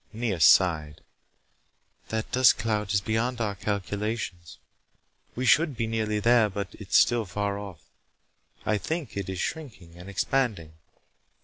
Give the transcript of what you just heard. Nea sighed. "That dust cloud is beyond our calculations. We should be nearly there, but it's still far off. I think it is shrinking and expanding.